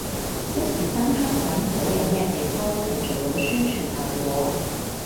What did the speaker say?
一時三刻諗唔到有咩地方係做到宣傳效果